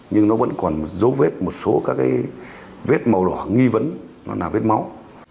nhưng nó vẫn còn dấu vết một số các cái vết màu đỏ nghi vấn nó là vết máu